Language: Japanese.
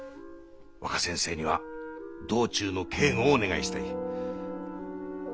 若先生には道中の警護をお願いしたい。